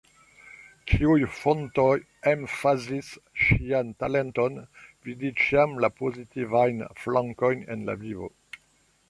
Ĉiuj fontoj emfazis ŝian talenton vidi ĉiam la pozitivajn flankojn en la vivo.